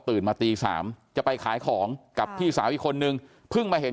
มาตี๓จะไปขายของกับพี่สาวอีกคนนึงเพิ่งมาเห็น